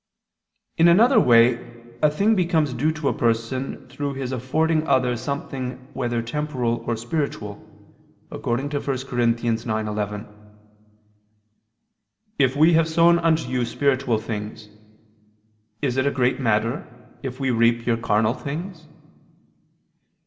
In another way a thing becomes due to a person through his affording others something whether temporal or spiritual, according to 1 Cor. 9:11, "If we have sown unto you spiritual things, is it a great matter if we reap your carnal things?"